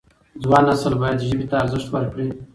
ځوان نسل باید ژبې ته ارزښت ورکړي.